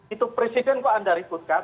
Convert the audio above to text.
itu presiden kok anda ributkan